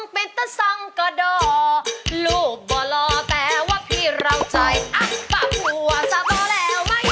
โปรดติดตามตอนต่อไป